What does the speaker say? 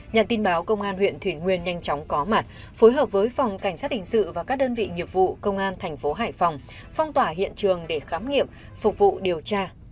nhận tin báo công an huyện thủy nguyên nhanh chóng có mặt phối hợp với phòng cảnh sát hình sự và các đơn vị nghiệp vụ công an thành phố hải phòng phong tỏa hiện trường để khám nghiệm phục vụ điều tra